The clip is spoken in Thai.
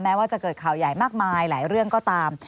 ว่าจะเกิดข่าวใหญ่มากมายหลายเรื่องก็ตาม